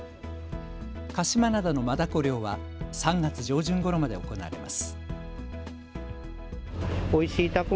鹿島灘のマダコ漁は３月上旬ごろまで行われます。